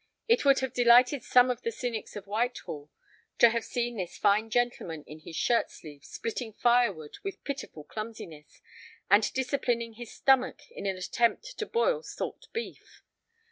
It would have delighted some of the cynics of Whitehall to have seen this fine gentleman in his shirt sleeves splitting firewood with pitiful clumsiness, and disciplining his stomach in an attempt to boil salt beef.